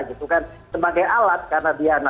gitu kan sebagai alat karena dia